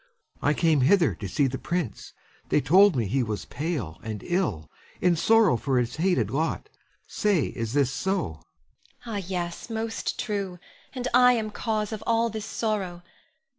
I came hither to see the prince. They told me he was pale and ill, in sorrow for his hated lot. Say, is this so? Ione. Ah, yes, most true; and I am cause of all this sorrow.